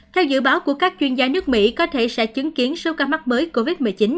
theo dự báo của các chuyên gia nước mỹ có thể sẽ chứng kiến số ca mắc mới covid một mươi chín